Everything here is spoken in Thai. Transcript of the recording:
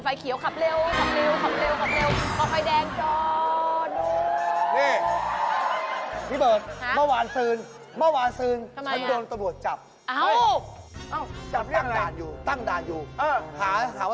ไฟเขียวขับเร็วขับเร็วขับเร็ว